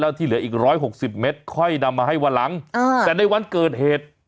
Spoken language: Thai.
แล้วที่เหลืออีก๑๖๐เมตรค่อยนำมาให้วันหลังแต่ในวันเกิดเหตุ